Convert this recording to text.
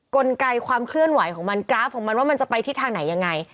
กลไกความเคลื่อนไหวของมันกราฟของมันว่ามันจะไปทิศทางไหนยังไง